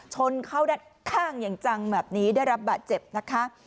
ชนเข้าด้านข้างอย่างจังแบบนี้ได้รับบาดเจ็บนะคะ